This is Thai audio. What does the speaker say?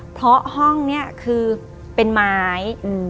เพราะห้องนี้คือเป็นไม้